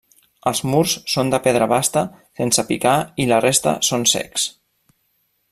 Els murs són de pedra basta sense picar i la resta són cecs.